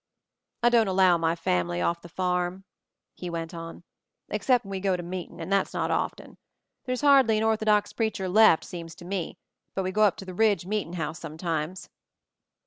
"I don't allow my family off the farm," he went on, "except when we go to meetin', and that's not often. There's hardly an orthodox preacher left, seems to me ; hut we go up to the Ridge meetin' house some times."